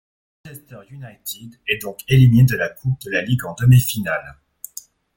Manchester United est donc éliminé de la Coupe de la Ligue en demi-finale.